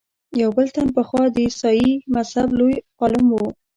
یو بل تن پخوا د عیسایي مذهب لوی عالم و.